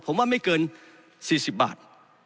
ผมว่าไม่เกิน๔๐บาท